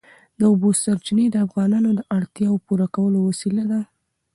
د اوبو سرچینې د افغانانو د اړتیاوو د پوره کولو وسیله ده.